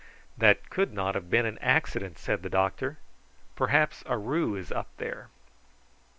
"That could not have been an accident," said the doctor; "perhaps Aroo is up there."